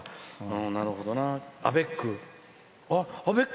なるほどな、アベック。